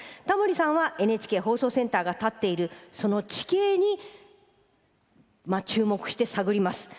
タモリさんはＮＨＫ放送センターが立っているその地形に注目して探ります。